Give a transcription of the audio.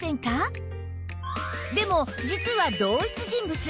でも実は同一人物